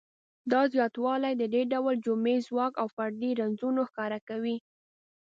دا زیاتوالی د ډول جمعي ځواک او فردي رنځونه ښکاره کوي.